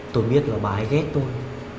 tôi biết là bà ấy ghét tôi